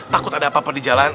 takut ada apa apa di jalan